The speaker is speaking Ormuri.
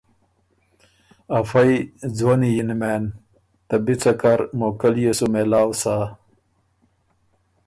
افئ ځوَنی یِن مېن، ته بی څۀ کر موقع ليې سُو مېلاؤ سَۀ